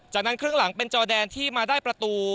จากนั้นครึ่งหลังเป็นจอแดนที่มาได้ประตู